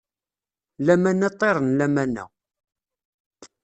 Lamana ṭṭir n lamana.